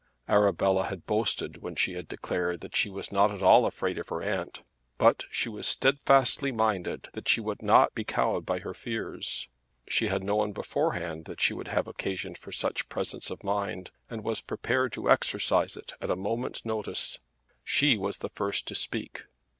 Arabella had boasted when she had declared that she was not at all afraid of her aunt; but she was steadfastly minded that she would not be cowed by her fears. She had known beforehand that she would have occasion for much presence of mind, and was prepared to exercise it at a moment's notice. She was the first to speak.